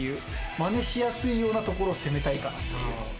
マネしやすいようなところを攻めたいかな。